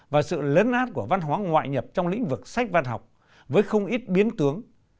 và sự lấn át của văn hóa ngoại nhập trong lĩnh vực sách văn học với không ít biến tướng